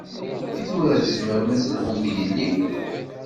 I tura tzemrem ad d-telhum d yelli?